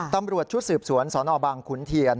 ตำรวจชุดสืบสวนสนบางขุนเทียน